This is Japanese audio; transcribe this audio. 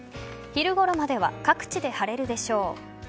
昼ごろまでは各地で晴れるでしょう。